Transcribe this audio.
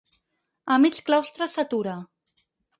A mig claustre s'atura.